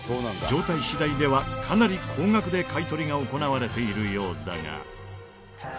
状態次第ではかなり高額で買い取りが行われているようだが。